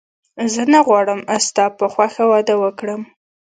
زه نه غواړم ستا په خوښه واده وکړم